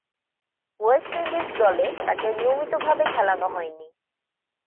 West Indies দলে তাকে নিয়মিতভাবে খেলানো হয়নি।